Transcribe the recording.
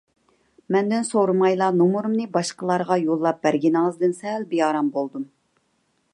مەندىن سورىمايلا نومۇرۇمنى باشقىلارغا يوللاپ بەرگىنىڭىزدىن سەل بىئارام بولدۇم.